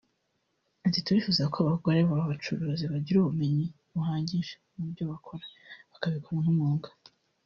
Ati “Turifuza ko abagore b’abacuruzi bagira ubumenyi buhagije mu byo bakora bakabikora nk’umwuga